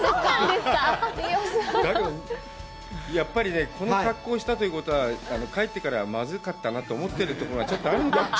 だけど、やっぱり、この格好をしたということは、帰ってからまずかったなと思ってるところがちょっとあるんじゃない？